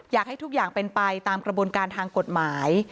อยากให้ทุกอย่างเป็นไปตามกระบวนการทางกฎหมาย